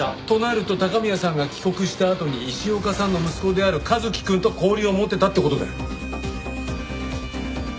となると高宮さんが帰国したあとに石岡さんの息子である一輝くんと交流を持ってたって事だよ。